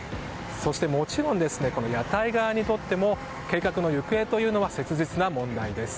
そしてもちろん屋台側にとっても計画の行方というのは切実な問題です。